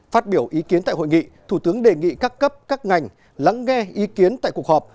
phát biểu ý kiến tại hội nghị thủ tướng đề nghị các cấp các ngành lắng nghe ý kiến tại cuộc họp